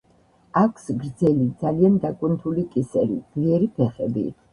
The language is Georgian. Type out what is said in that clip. აქვს გრძელი, ძალიან დაკუნთული კისერი, ძლიერი ფეხები.